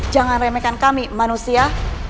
jangan remekkan kami manusia